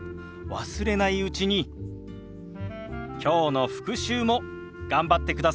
忘れないうちにきょうの復習も頑張ってくださいね。